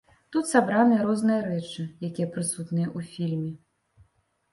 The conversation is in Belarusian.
Тут сабраныя розныя рэчы, якія прысутныя ў фільме.